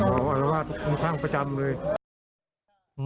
เมาอารวาสภูมิข้างประจำเลย